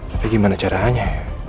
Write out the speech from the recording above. tapi gimana caranya